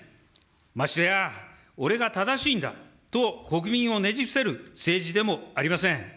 ましてや、俺が正しいんだと国民をねじ伏せる政治でもありません。